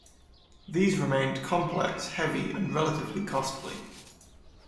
These remained complex, heavy and relatively costly.